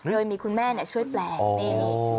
เลยมีคุณแม่ช่วยแปลนี่